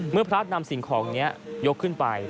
เมื่อพระนำสิ่งของนี้ยกขึ้นไป